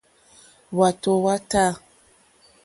Hwàtò hwá tâ.